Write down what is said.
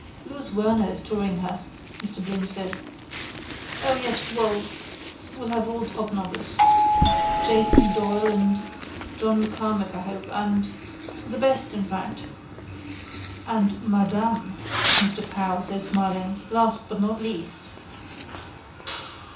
—Louis Werner is touring her, Mr Bloom said. O yes, we'll have all topnobbers. J. C. Doyle and John MacCormack I hope and. The best, in fact. —And Madame, Mr Power said smiling. Last but not least.